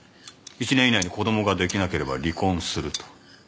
１年以内に子供ができなければ離婚すると。